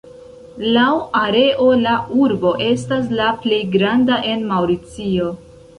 Laŭ areo la urbo estas la plej granda en Maŭricio.